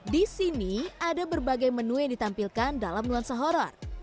di sini ada berbagai menu yang ditampilkan dalam nuansa horror